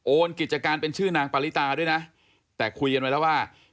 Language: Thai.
กิจการเป็นชื่อนางปริตาด้วยนะแต่คุยกันไว้แล้วว่า